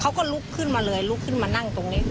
เขาก็ลุกขึ้นมาเลยลุกขึ้นมานั่งตรงนี้